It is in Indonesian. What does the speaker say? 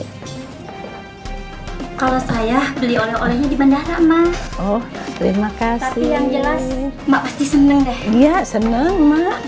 kalau saya beli oleh olehnya di bandara emang oh terima kasih yang jelas masih seneng seneng